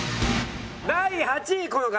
第８位この方。